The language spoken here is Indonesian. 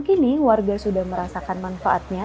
kini warga sudah merasakan manfaatnya